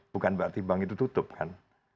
bukan berarti bank itu tutup kan